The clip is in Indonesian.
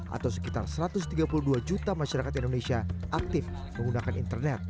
atau sekitar satu ratus tiga puluh dua juta masyarakat indonesia aktif menggunakan internet